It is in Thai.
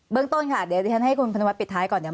เบิ้งต้นค่ะเดี๋ยวผมให้คุณพันวัดปิดท้ายก่อน